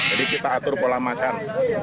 jadi kita atur pola makan